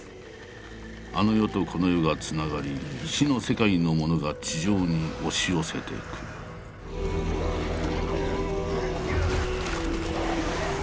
あの世とこの世が繋がり死の世界のものが地上に押し寄せてくる。